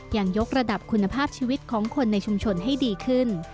ยกระดับคุณภาพชีวิตของคนในชุมชนให้ดีขึ้น